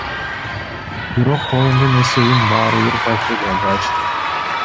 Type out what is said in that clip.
Бирок оюндун эсебин баары бир Португалия ачты.